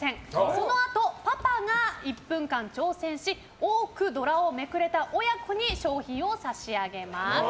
そのあと、パパが１分間挑戦し多くドラをめくれた親子に商品を差し上げます。